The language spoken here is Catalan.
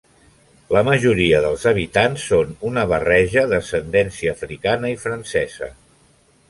La majoria dels habitants són una barreja d'ascendència africana i francesa.